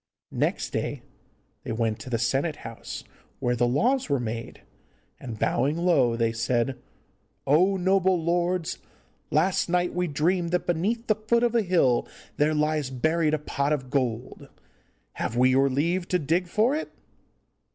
Next day they went to the senate house, where the laws were made, and, bowing low, they said, 'Oh, noble lords, last night we dreamed that beneath the foot of a hill there lies buried a pot of gold. Have we your leave to dig for it?